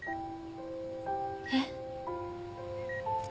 えっ。